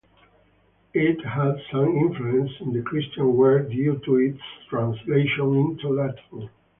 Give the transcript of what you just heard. It had some influence in the Christian world due to its translation into Latin.